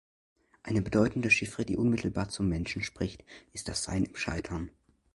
Eine bedeutende Chiffre, die unmittelbar zum Menschen spricht, ist das Sein im Scheitern.